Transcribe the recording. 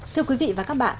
thưa quý vị và các bạn